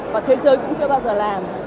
và thế giới cũng chưa bao giờ làm